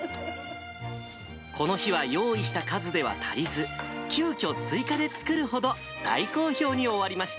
この日は用意した数では足りず、急きょ、追加で作るほど大好評に終わりました。